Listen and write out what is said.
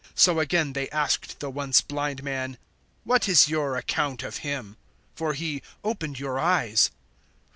So again they asked the once blind man, "What is your account of him? for he opened your eyes."